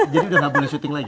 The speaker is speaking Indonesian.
jadi udah gak boleh syuting lagi